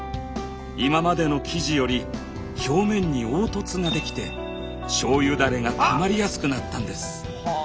今までの生地より表面に凹凸ができて醤油ダレがたまりやすくなったんです。